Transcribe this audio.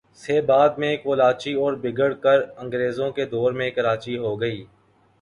سے بعد میں کولاچی اور بگڑ کر انگریزوں کے دور میں کراچی ھو گئی